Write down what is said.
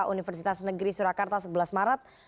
universitas negeri surakarta sebelas maret